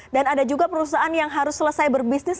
dan ada juga perusahaan yang harus selesai berbisnis